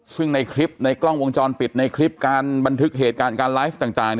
ซึ่งในคลิปในกล้องวงจรปิดในคลิปการบันทึกเหตุการณ์การไลฟ์ต่าง